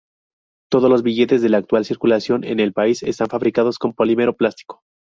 Todos los billetes de actual circulación en el país está fabricados con polímero plástico.